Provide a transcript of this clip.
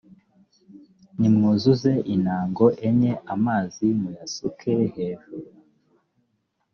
nimwuzuze intango enye amazi muyasuke hejuru.